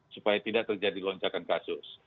supaya tidak terjadi lonjakan kasus